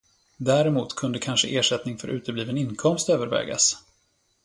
Däremot kunde kanske ersättning för utebliven inkomst övervägas.